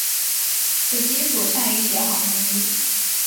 此棋组善于斜行攻击。